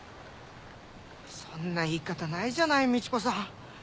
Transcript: そんな言い方ないじゃないみち子さん。